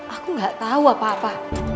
aku gak tahu apa apa